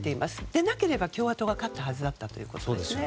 でなければ、共和党が勝ったはずだったということですよね。